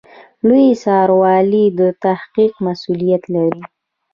لوی څارنوالي د تحقیق مسوولیت لري